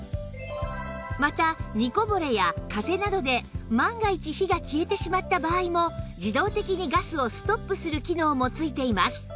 また煮こぼれや風などで万が一火が消えてしまった場合も自動的にガスをストップする機能も付いています